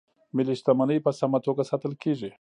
ملي شتمنۍ په سمه توګه ساتل کیږي.